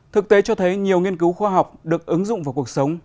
thực tế cho thấy nhiều nghiên cứu khoa học được ứng dụng vào cuộc sống